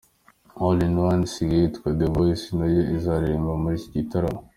All in One isigaye yitwa The Voice na yo izaririmba muri iki gitaramo.